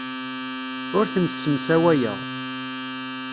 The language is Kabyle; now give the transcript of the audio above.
Ur ten-ssemsawayeɣ.